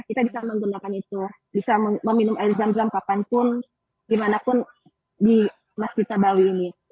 kita bisa menggunakan itu bisa meminum air zam zam kapanpun dimanapun di masjid nabawi ini